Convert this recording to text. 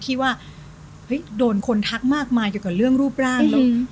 ที่ว่าเฮ้ยโดนคนทักมากมายกับเรื่องรูปร่างอืม